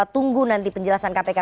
tunggu nanti penjelasan kpk